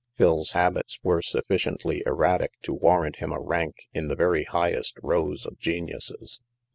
Phil's habits were sufficiently erratic to warrant him a rank in the very highest row of geniuses.